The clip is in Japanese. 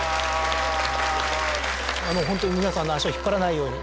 ホントに皆さんの足を引っ張らないように。